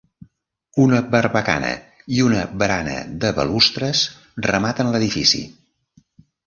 Una barbacana i una barana de balustres rematen l'edifici.